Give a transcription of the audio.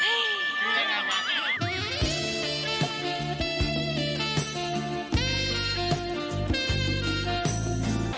รู้สึกว่าแบบเราก็ยังได้อยู่